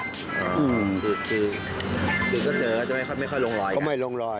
คือก็เจอก็ไม่ค่อยลงรอย